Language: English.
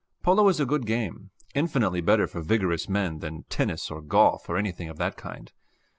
Polo is a good game, infinitely better for vigorous men than tennis or golf or anything of that kind.